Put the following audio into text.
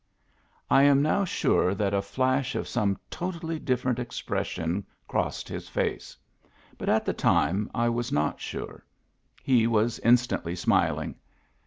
" I am now sure that a flash of some totally dif ferent expression crossed his face, but at the time I was not sure ; he was instantly smiling.